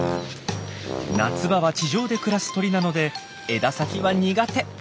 夏場は地上で暮らす鳥なので枝先は苦手。